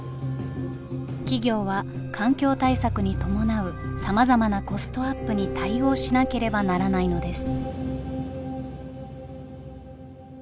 企業は環境対策に伴うさまざまなコストアップに対応しなければならないのです。